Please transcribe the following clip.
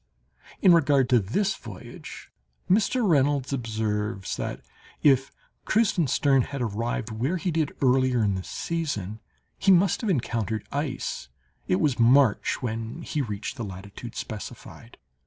In regard to this voyage, Mr. Reynolds observes that, if Kreutzenstern had arrived where he did earlier in the season, he must have encountered ice—it was March when he reached the latitude specified.